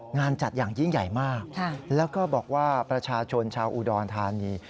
งานจัดอย่างยิ่งใหญ่มากแล้วก็บอกว่าประชาชนชาวอุดรธานี